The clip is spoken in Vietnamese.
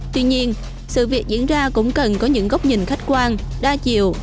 tuy nhiên sự việc diễn ra cũng cần có những góc nhìn khách quan đa chiều